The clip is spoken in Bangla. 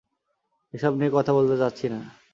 এসব নিয়ে কথা বলতে চাচ্ছি না।